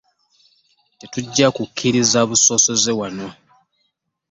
Tetujja kukkiriza busosoze wano.